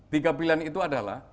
tiga pilihan itu adalah